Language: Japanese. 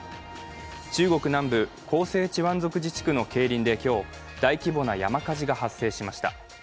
中国南部広西チワン族自治区の桂林で、今日大規模な山火事が発生しました。